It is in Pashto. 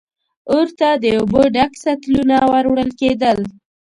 اور ته د اوبو ډک سطلونه ور وړل کېدل.